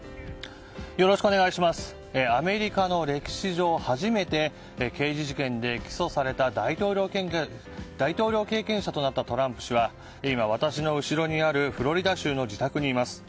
アメリカの歴史上初めて刑事事件で起訴された大統領経験者となったトランプ氏は今、私の後ろにあるフロリダ州の自宅にいます。